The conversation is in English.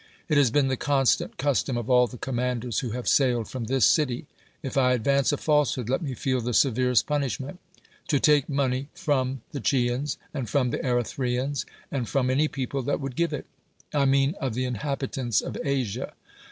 It has been the constant custom of all the commanders who have sailed from this city (if I advance a falsehood let me feel the severest punishment) to take money from the Chians, and from the Erythrians, and from any people that would give it ; I mean of the inhabitants of Asia.